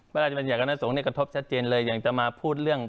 เวลาที่มันอยากกรรณสงฆ์เนี่ยกระทบชัดเจนเลยอย่างจะมาพูดเรื่อง